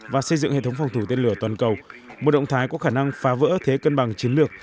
và xây dựng hệ thống phòng thủ tên lửa toàn cầu một động thái có khả năng phá vỡ thế cân bằng chiến lược